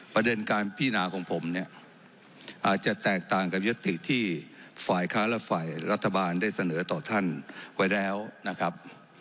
ประเด็นการพินาของผมเนี่ยอาจจะแตกต่างกับยศติที่ฝ่ายค้าและฝ่ายรัฐบาลได้เสนอต่อท่านไว้แล้วนะครับ